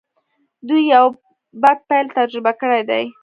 دوی يو بد پيل تجربه کړی دی.